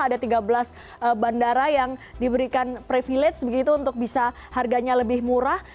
ada tiga belas bandara yang diberikan privilege begitu untuk bisa harganya lebih murah